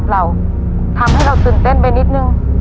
หัวหนึ่งหัวหนึ่ง